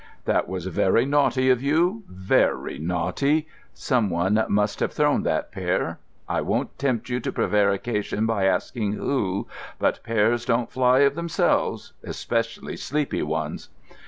"That was very naughty of you. Very naughty. Someone must have thrown that pear. I won't tempt you to prevarication by asking who? But pears don't fly of themselves—especially sleepy ones."